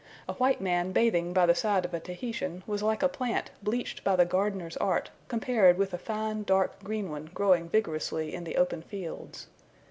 A white man bathing by the side of a Tahitian, was like a plant bleached by the gardener's art compared with a fine dark green one growing vigorously in the open fields.